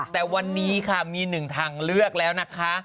แต่วันนี้ค่ะมีหนึ่งทางเลือกแล้วนะคะ